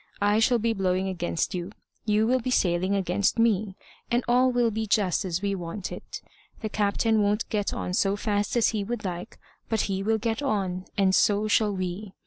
I shall be blowing against you; you will be sailing against me; and all will be just as we want it. The captain won't get on so fast as he would like, but he will get on, and so shall we.